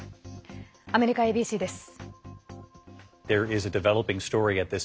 アメリカＡＢＣです。